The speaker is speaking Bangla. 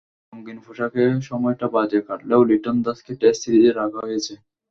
রঙিন পোশাকে সময়টা বাজে কাটলেও লিটন দাসকে টেস্ট সিরিজে রাখা হয়েছে।